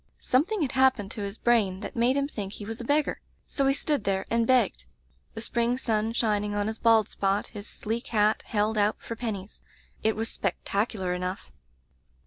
"Something had happened to his brain that made him think he was a beggar; so he stood there and begged, the spring sun shining on his bald spot, his sleek hat held out for pennies. It was spectacular enough.